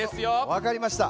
わかりました。